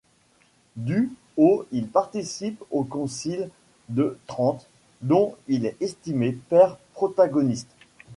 Du au il participe au Concile de Trente, dont il est estimé père protagoniste.